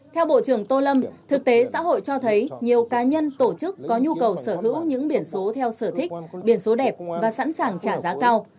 theo bộ trưởng tô lâm thực tế xã hội cho thấy nhiều cá nhân tổ chức có nhu cầu sở hữu những biển số theo sở thích biển số đẹp và sẵn sàng trả giá cao